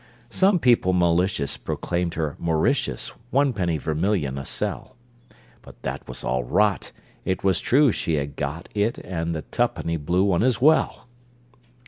Some people malicious Proclaimed her Mauritius One penny vermilion a sell. But that was all rot. It Was true she had got it, And the tuppenny blue one as well!